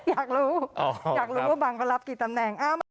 อยากรู้อยากรู้ว่าบังก็รับกี่ตำแหน่ง